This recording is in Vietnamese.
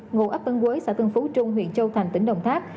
ngụ ấp tân quế xã tân phú trung huyện châu thành tỉnh đồng tháp